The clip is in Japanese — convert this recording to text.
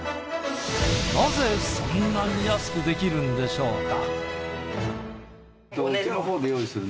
なぜそんなに安くできるんでしょうか？